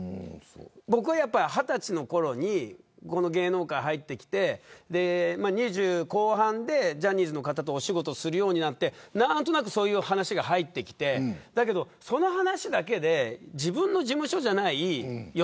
僕はやっぱり２０歳のころにこの芸能界に入ってきて２０代後半でジャニーズの方と仕事をするようになって何となくそういう話が入ってきてだけど、その話だけで自分の事務所じゃないよ